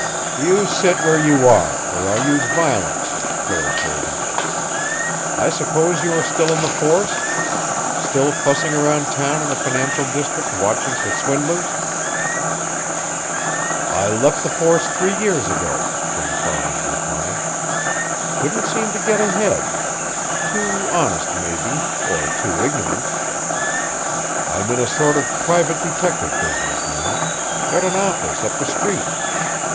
"You sit where you are, or I'll use violence!" Prale told him. "I suppose you are still on the force? Still fussing around down in the financial district watching for swindlers?" "I left the force three years ago," Jim Farland replied. "Couldn't seem to get ahead. Too honest, maybe or too ignorant. I'm in a sort of private detective business now got an office up the street.